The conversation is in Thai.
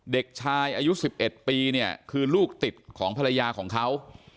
เด็กชายอายุ๑๑ปีเนี่ยคือลูกติดของภรรยาของเขา